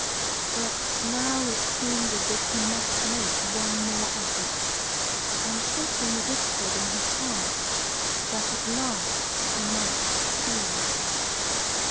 But now it seemed as if he must make one more effort, and something whispered in his heart that, at last, he might succeed.